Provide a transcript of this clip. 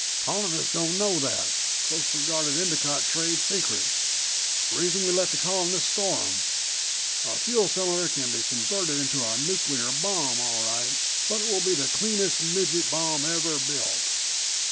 Colonists don't know that ... closely guarded Endicott trade secret. Reason we let the Colonists store them. A fuel cylinder can be converted into a nuclear bomb, all right, but it will be the cleanest midget bomb ever built.